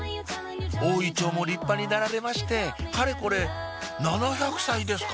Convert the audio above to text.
大イチョウも立派になられましてかれこれ７００歳ですか！